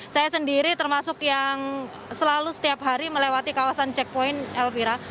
saya sendiri termasuk yang selalu setiap hari melewati kawasan checkpoint elvira